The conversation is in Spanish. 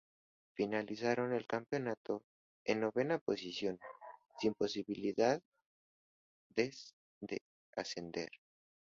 Finalizaron el campeonato en novena posición, sin posibilidades de ascender.